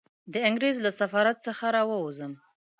د انګریز له سفارت څخه را ووځم.